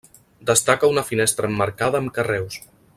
Destaca una finestra emmarcada amb carreus.